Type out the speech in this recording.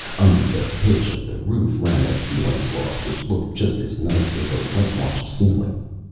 Under the pitch of the roof ran a ceiling cloth, which looked just as nice as a whitewashed ceiling.